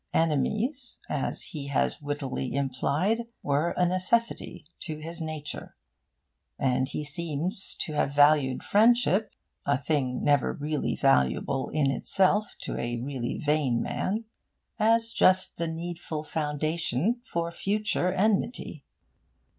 Enemies, as he has wittily implied, were a necessity to his nature; and he seems to have valued friendship (a thing never really valuable, in itself, to a really vain man) as just the needful foundation for future enmity.